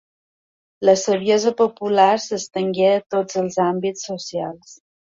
La saviesa popular s'estengué a tots els àmbits socials.